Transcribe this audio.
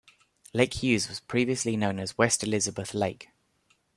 Lake Hughes was previously known as West Elizabeth Lake.